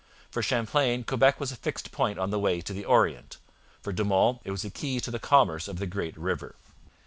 For Champlain Quebec was a fixed point on the way to the Orient. For De Monts it was a key to the commerce of the great river.